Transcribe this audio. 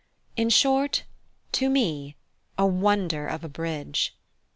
In short, to me a wonder of a bridge.